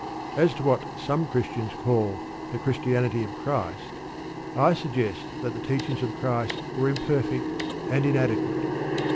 As to what some Christians call "the Christianity of Christ," I suggest that the teachings of Christ were imperfect and inadequate.